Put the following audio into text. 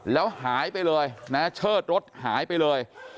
แล้วหายไปเลยนะเชิดรถหายไปเลย